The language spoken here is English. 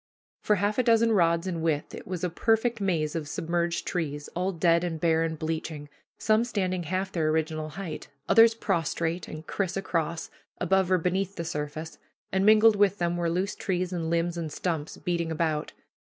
For half a dozen rods in width it was a perfect maze of submerged trees, all dead and bare and bleaching, some standing half their original height, others prostrate, and criss across, above or beneath the surface, and mingled with them were loose trees and limbs and stumps, beating about.